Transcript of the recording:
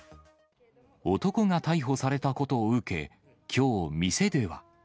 男が逮捕されたことを受け、きょう、店では。